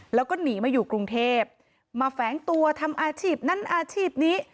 แล้วก็หนีมาอยู่กรุงเทพมาแฝงตัวทำอาชีพนั้นอาชีพนี้